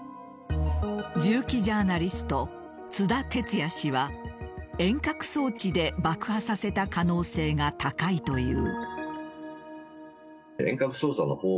銃器ジャーナリスト津田哲也氏は遠隔装置で爆破させた可能性が高いという。